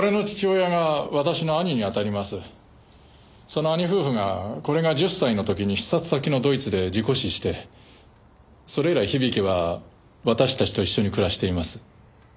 その兄夫婦がこれが１０歳の時に視察先のドイツで事故死してそれ以来響は私たちと一緒に暮らしています。